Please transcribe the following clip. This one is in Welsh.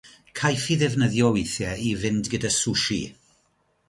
Caiff ei ddefnyddio weithiau i fynd gyda sushi.